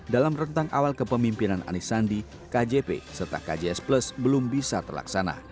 dalam rentang awal kepemimpinan anies sandi kjp serta kjs plus belum bisa terlaksana